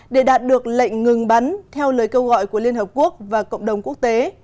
để đạt được lệnh ngừng bắn theo lời kêu gọi của liên hợp quốc và cộng đồng quốc tế